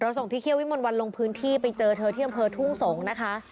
ส่งพี่เคี่ยววิมลวันลงพื้นที่ไปเจอเธอที่อำเภอทุ่งสงศ์นะคะ